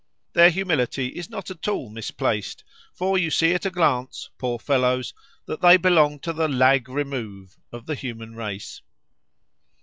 Their humility is not at all misplaced, for you see at a glance (poor fellows!) that they belong to the lag remove of the human race.